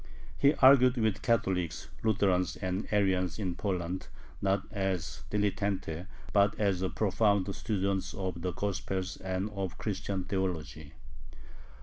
He argued with Catholics, Lutherans, and Arians in Poland, not as a dilettante, but as a profound student of the Gospels and of Christian theology.